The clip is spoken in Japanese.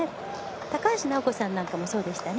高橋尚子さんなんかもそうでしたね。